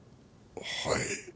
はい。